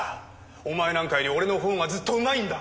お前なんかより俺の方がずっとうまいんだ！